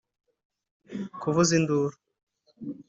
kuvuza induru